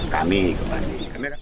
kami komite banding